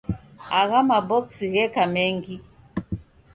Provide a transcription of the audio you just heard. Agho maboksi gheka mengi.